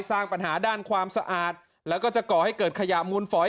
สร้างปัญหาด้านความสะอาดแล้วก็จะก่อให้เกิดขยะมูลฝอย